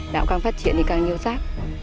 đạo càng phát triển thì càng nhiều rác